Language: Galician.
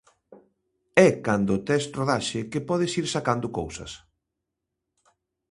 É cando tes rodaxe que podes ir sacando cousas.